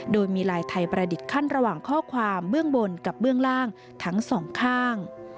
โดยมีลายไทยประดิษฐ์ขั้นระหว่างข้อความเบื้องบนกับเบื้องล่างทั้งสองข้าง